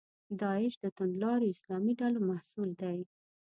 داعش د توندلارو اسلامي ډلو محصول دی.